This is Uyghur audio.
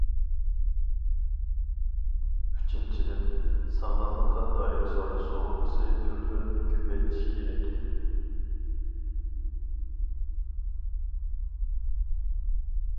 ئۈچىنچىدىن، ساغلاملىققا دائىر سودا سۇغۇرتىسى تۈرلىرىنى كۆپەيتىش كېرەك.